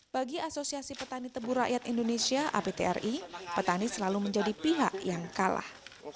bagi asosiasi petani tebu rakyat indonesia aptri petani selalu menjadi pihak yang kalah